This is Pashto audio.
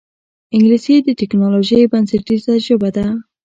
انګلیسي د ټکنالوجۍ بنسټیزه ژبه ده